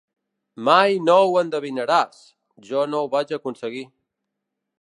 Mai no ho endevinaràs! Jo no ho vaig aconseguir.